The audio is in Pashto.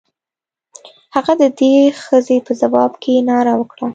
هغه د دې ښځې په ځواب کې ناره وکړه.